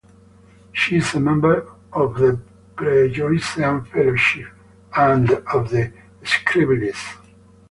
She is a member of the Pre-Joycean Fellowship and of the Scribblies.